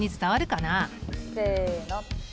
せの。